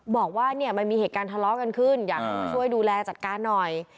บอกว่าเนี่ยมันมีเหตุการณ์ทะเลาะกันขึ้นอยากให้มาช่วยดูแลจัดการหน่อย